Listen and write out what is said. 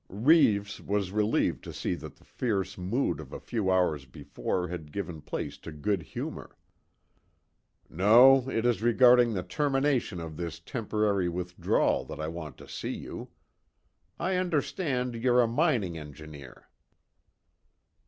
Reeves was relieved to see that the fierce mood of a few hours before had given place to good humour. "No, it is regarding the termination of this temporary withdrawal that I want to see you. I understand you're a mining engineer."